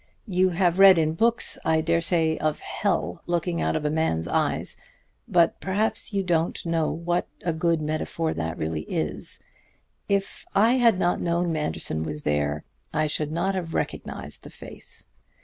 You have read in books, I dare say, of hell looking out of a man's eyes, but perhaps you don't know what a good metaphor that is. If I had not known Manderson was there, I should not have recognized the face.